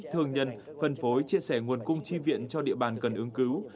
thường nhân phân phối chia sẻ nguồn cung tri viện cho địa bàn cần ứng cứu